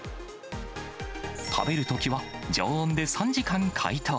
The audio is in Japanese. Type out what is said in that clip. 食べるときは、常温で３時間解凍。